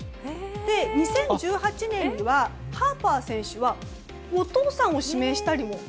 ２０１８年にはハーパー選手はお父さんを指名したりも。